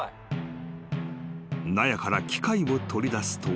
［納屋から機械を取り出すと］